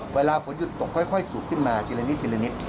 เวลาฝนหยุดตกค่อยสูบขึ้นมาทีละนิด